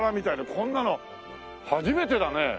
こんなの初めてだね！